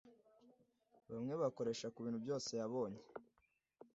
bamwe bakoresha kubintu byose yabonye